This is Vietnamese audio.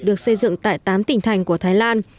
được xây dựng tại tám tỉnh thành của thái lan